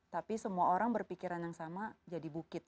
tapi semua orang berpikiran yang sama jadi bukit